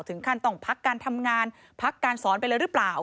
ถึงขั้นต้องพักการทำงานพักการสอนไปเลยหรือเปล่า